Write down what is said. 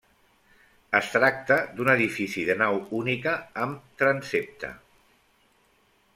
Es tracta d'un edifici de nau única amb transsepte.